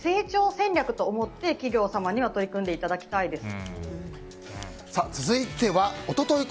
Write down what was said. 戦略と思って企業様には取り組んでいただきたいです。